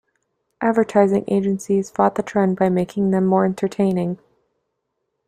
Advertising agencies fought the trend by making them more entertaining.